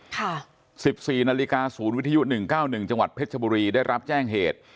ค่ะสิบสี่นาฬิกาศูนย์วิทยุ๑๙๑จังหวัดเพชรชบุรีได้รับแจ้งเหตุ